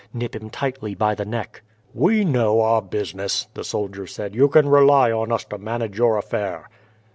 Nip him tightly by the neck." "We know our business," the soldier said. "You can rely on us to manage your affair."